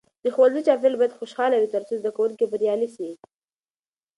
د ښوونځي چاپیریال باید خوشحاله وي ترڅو زده کوونکي بریالي سي.